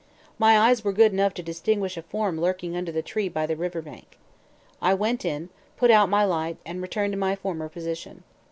My eyes were good enough to distinguish a form lurking under the tree by the river bank. I went in, put out my light, and returned to my former position.